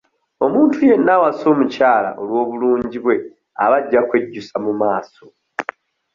Omuntu yenna awasa omukyala olw'obulungi bwe aba ajja kwejjusa mu maaso.